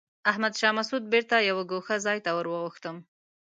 احمد شاه مسعود بېرته یوه ګوښه ځای ته ور وغوښتم.